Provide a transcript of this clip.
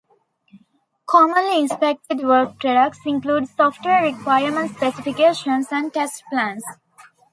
Commonly inspected work products include software requirements specifications and test plans.